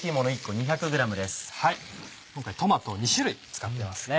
今回トマトを２種類使ってますね。